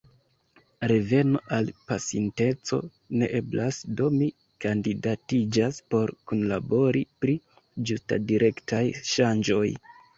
Reveno al pasinteco ne eblas, do mi kandidatiĝas por kunlabori pri ĝustadirektaj ŝanĝoj.